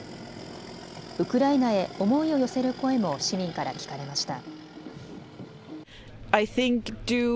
ウクライナへ思いを寄せる声も市民から聞かれました。